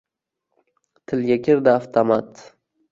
Tilga kirdi avtomat.